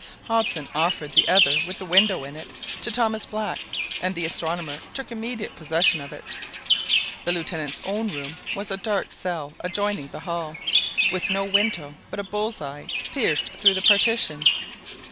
Hobson offered the other with the window in it to Thomas Black, and the astronomer took immediate possession of it. The Lieutenant's own room was a dark cell adjoining the hall, with no window but a bull's eye pierced through the partition.